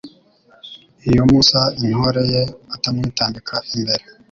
iyo Musa intore ye atamwitambika imbere